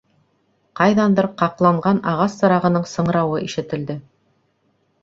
Ҡайҙандыр ҡаҡланған ағас сырағының сыңрауы ишетелде.